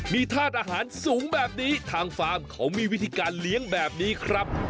มีธาตุอาหารสูงแบบนี้ทางฟาร์มเขามีวิธีการเลี้ยงแบบนี้ครับ